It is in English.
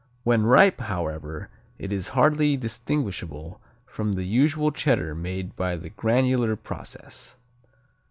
When ripe, however, it is hardly distinguishable from the usual Cheddar made by the granular process.